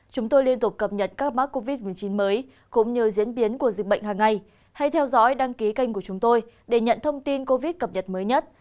các bạn hãy đăng ký kênh của chúng tôi để nhận thông tin cập nhật mới nhất